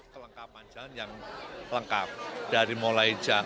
kelengkapan jalan yang lengkap dari mulai jalan